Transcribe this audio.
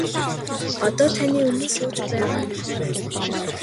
Одоо таны өмнө сууж байгаа нь Тоорой.